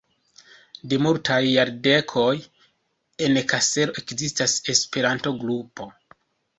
De multaj jardekoj en Kaselo ekzistas Esperanto-grupo.